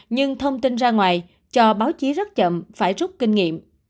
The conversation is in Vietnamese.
nhưng thông tin ra ngoài cho báo chí rất chậm phải rút kinh nghiệm